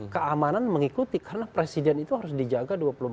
keamanan mengikuti karena presiden itu harus dijaga dua puluh empat jam